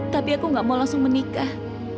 tapi aku gak mau langsung menikah